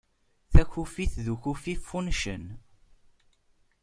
Takufit d ukufi ffuncen.